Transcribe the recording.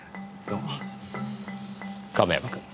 亀山君